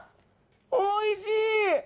おいしい！